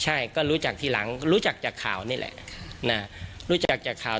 ใช่ก็รู้จักทีหลังรู้จักจากข่าวนี่แหละนะรู้จักจากข่าว